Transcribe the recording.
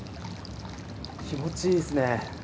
気持ちいいですね。